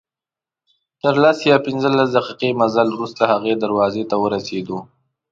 تر لس یا پنځلس دقیقې مزل وروسته هغې دروازې ته ورسېدو.